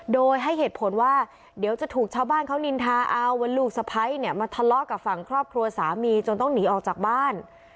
โดยให้เหตุผลว่าเดี๋ยวจะถูกชาวบ้านเขานินทาเอาว่าลูกสะพ้ายเนี่ยมาทะเลาะกับฝั่งครอบครัวสามีจนต้องหนีออกจากบ้าน